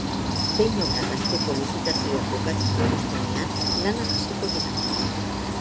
Behin obrak hasteko lizitazioak bukatzen dituztenean, lanak hasiko dira.